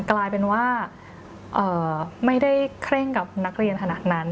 กลายเป็นว่าไม่ได้เคร่งกับนักเรียนขนาดนั้น